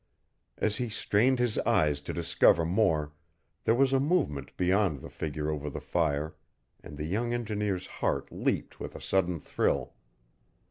As he strained his eyes to discover more there was a movement beyond the figure over the fire and the young engineer's heart leaped with a sudden thrill.